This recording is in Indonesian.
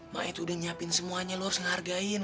maek tuh udah nyiapin semuanya lo harus ngehargain